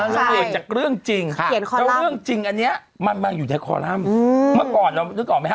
แต่เป็นเรื่องจริงต้นจริงอันเนี้ยมันมาอยู่ในคอลลัม